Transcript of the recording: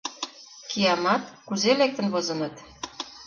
Киямат, кузе лектын возыныт?